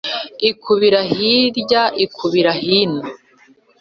Ikubira hirya ikubira hino,